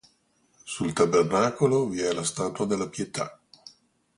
Sul tabernacolo vi è la statua della Pietà.